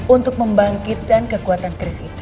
untuk membangkitkan kekuatan kris itu